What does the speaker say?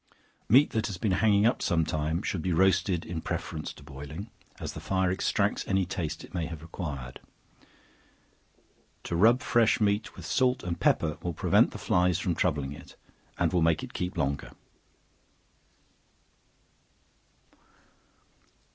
Meat that has been hanging up some time should be roasted in preference to boiling, as the fire extracts any taste it may have acquired. To rub fresh meat with salt and pepper will prevent the flies from troubling it, and will make it keep longer.